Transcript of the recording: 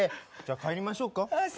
ああ、帰りましょうか。